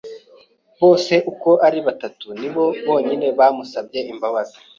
Bose uko ari batatu ni bo bonyine bamusabye imbabazi.